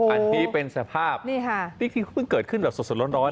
อันนี้เป็นสภาพฮะนี่คือพึ่งเกิดขึ้นสดร้อน